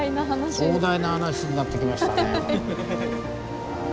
壮大な話になってきましたね。